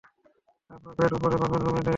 আপনার বেড উপরে বামের রুমে দেওয়া হয়েছে।